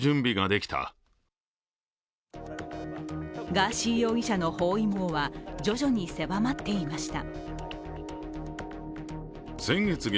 ガーシー容疑者の包囲網は徐々に狭まっていました。